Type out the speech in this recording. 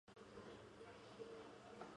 金洞县是越南兴安省下辖的一个县。